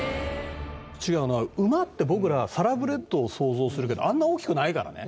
馬って僕らはサラブレッドを想像するけどあんな大きくないからね。